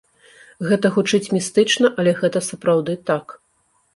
Гэта гучыць містычна, але гэта сапраўды так.